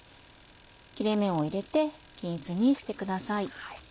切れ目を入れて均一にしてください。